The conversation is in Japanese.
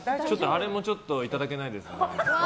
あれもちょっといただけないですね。